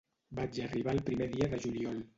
Vaig arribar el primer dia de juliol.